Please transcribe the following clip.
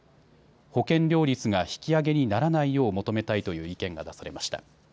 保険料率が引き上げにならないよう求めたいという意見が出されました。